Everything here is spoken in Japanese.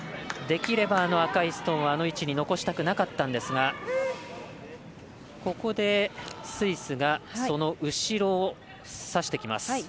できれば赤いストーンはあの位置に残したくなかったんですがここでスイスがその後ろをさしてきます。